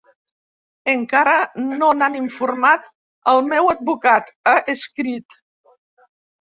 Encara no n’han informat el meu advocat, ha escrit.